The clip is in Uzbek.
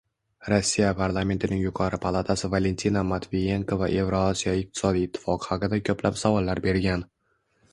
Rossiya parlamentining yuqori palatasi Valentina Matviyenkoga Evrosiyo iqtisodiy ittifoqi haqida ko'plab savollar berilgan